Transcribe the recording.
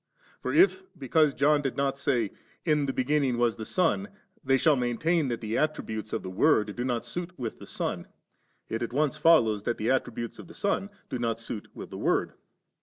But if be cause John did not say, * In the beginning was the Son,' they shall maintain that the attributes of the Word do not suit with the Son, it at once follows that the attributes of the Son do not suit with the Word.